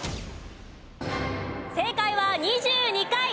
正解は２２回。